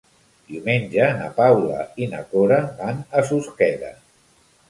Diumenge na Paula i na Cora van a Susqueda.